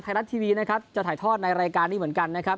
ไทยรัฐทีวีนะครับจะถ่ายทอดในรายการนี้เหมือนกันนะครับ